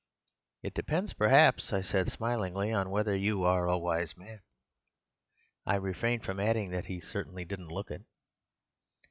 "'It depends perhaps,' I said, smiling, 'on whether you are a wise man.' I refrained from adding that he certainly didn't look it.